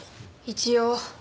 一応。